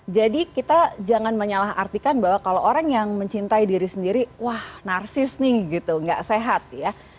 jadi kita jangan menyalah artikan bahwa kalau orang yang mencintai diri sendiri wah narsis nih gitu gak sehat ya